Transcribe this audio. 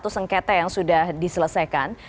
sengketa yang sudah diselesaikan